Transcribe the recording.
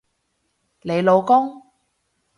你老公？